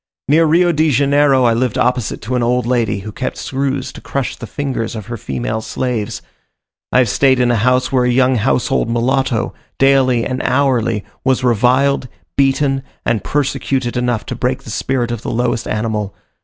Near Rio de Janeiro I lived opposite to an old lady, who kept screws to crush the fingers of her female slaves. I have stayed in a house where a young household mulatto, daily and hourly, was reviled, beaten, and persecuted enough to break the spirit of the lowest animal.